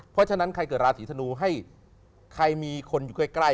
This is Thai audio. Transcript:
เพราะฉะนั้นคนเดียวจะเกิดลาสีธานูให้ใครมีคนค่อย